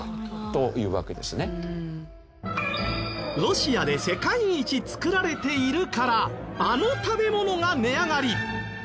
ロシアで世界一作られているからあの食べ物が値上がり！？